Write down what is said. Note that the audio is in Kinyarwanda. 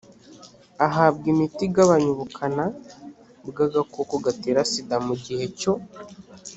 ahabwa imiti igabanya ubukana bw agakoko gatera sida mu gihe cyo